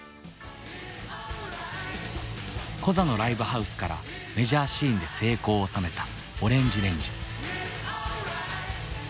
コザのライブハウスからメジャーシーンで成功を収めたＯＲＡＮＧＥＲＡＮＧＥ。